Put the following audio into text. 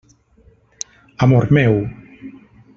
Amor meu!